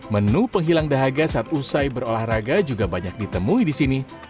menu penghilang dahaga saat usai berolahraga juga banyak ditemui di sini